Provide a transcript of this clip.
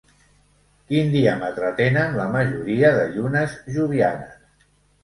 Quin diàmetre tenen la majoria de llunes jovianes?